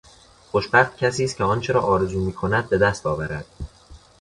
خوشبخت کسی است که آنچه را آرزو میکند بدست آورد.